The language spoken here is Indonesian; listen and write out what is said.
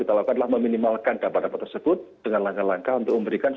kita lakukan adalah meminimalkan dampak dampak tersebut dengan langkah langkah untuk memberikan